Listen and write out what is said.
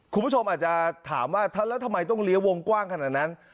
คุณผู้ชมอาจจะถามว่าแล้วทำไมต้องเลี้ยวงกว้างขนาดนั้น